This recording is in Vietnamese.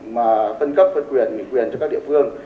mà phân cấp phân quyền nghị quyền cho các địa phương